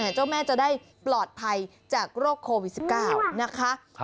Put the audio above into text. เจ้าแม่จะได้ปลอดภัยจากโรคโควิด๑๙นะคะ